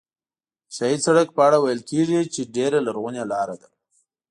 د شاهي سړک په اړه ویل کېږي چې ډېره لرغونې لاره ده.